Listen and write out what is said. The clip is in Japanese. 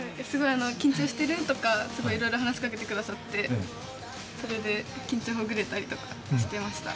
緊張してる？とかすごいいろいろ話しかけてくださってそれで緊張ほぐれたりしました。